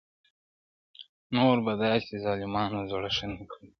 نور په داسي ظالمانو زړه ښه نه کړئ-